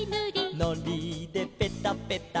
「のりでペタペタ」